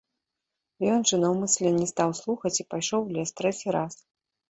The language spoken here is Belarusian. Ён жа наўмысля не стаў слухаць і пайшоў у лес трэці раз.